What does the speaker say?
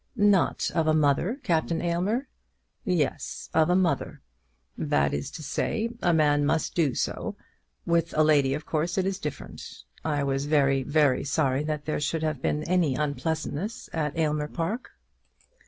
"Not of a mother, Captain Aylmer?" "Yes; of a mother. That is to say, a man must do so. With a lady of course it is different. I was very, very sorry that there should have been any unpleasantness at Aylmer Park."